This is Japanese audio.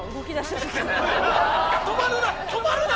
止まるな！